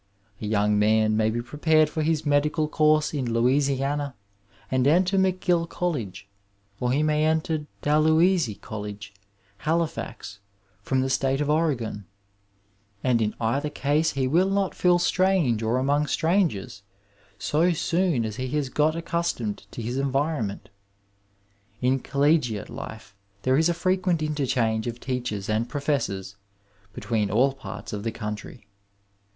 A young man may be prepared for his medical course in Louisiana and enter McOill College, or he may enter Dal housie College, Halibx, from the State of Oregon, and in either case he will not feel strange or among strangers so soon as he has got accustomed to his environment. In ooUegiate life there is a freqtient interchange of teachers and professors between all parts of the country.